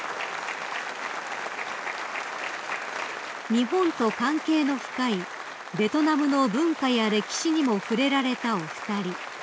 ［日本と関係の深いベトナムの文化や歴史にも触れられたお二人］